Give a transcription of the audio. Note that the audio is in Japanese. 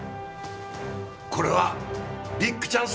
これはビッグチャンスです。